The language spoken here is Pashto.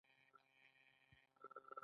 میخانیکي عملیې هم په دې کې ونډه لري.